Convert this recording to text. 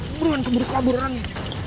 keburuan keburu kaburannya